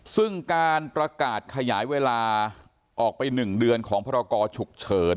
ซึ่งการประกาศขยายเวลาออกไป๑เดือนของพรกรฉุกเฉิน